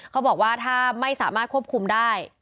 เขาบอกว่าถ้าไม่สามารถควบคุมได้